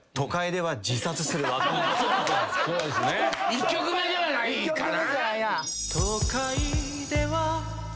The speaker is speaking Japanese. １曲目ではないかな。